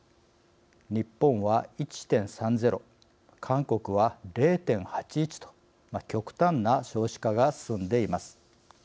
日本は１．３０、韓国は０．８１と極端な少子化が進んでいます。